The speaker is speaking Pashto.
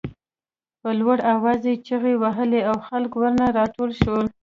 په لوړ آواز یې چغې وهلې او خلک ورنه راټول شول.